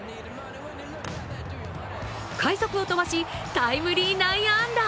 快足を飛ばしタイムリー内野安打。